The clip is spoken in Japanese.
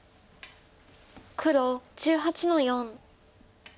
黒１８の四。